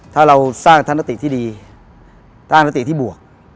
ถ้าเราสร้างท่านตะติดีท่านตะติดีบวก